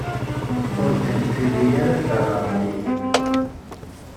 Ur kem-ttili ara d taɣersiwt!